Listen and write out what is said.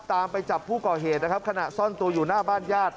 ตามไปจับผู้เกาะเหตุขณะซ่อนตัวอยู่หน้าบ้านญาติ